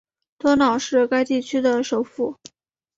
多瑙是该地区的首府。